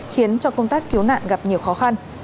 khiến cho công tác cứu nạn gặp nhiều khó khăn